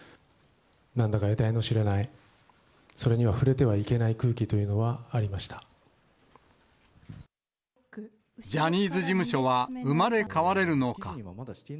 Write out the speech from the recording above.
なんだかえたいの知れない、それには触れてはいけない空気とジャニーズ事務所は、生まれ変われるのか。